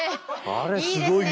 あれすごいよ。